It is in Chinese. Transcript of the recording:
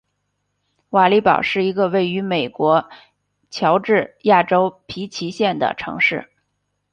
瓦利堡是一个位于美国乔治亚州皮奇县的城市。